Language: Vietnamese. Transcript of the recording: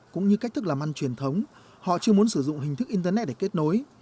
cũng như cách thức làm ăn truyền thống họ chưa muốn sử dụng hình thức internet để kết nối